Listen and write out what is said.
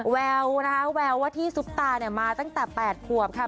แววว่าที่ซุปตามาตั้งแต่๘ขวบค่ะ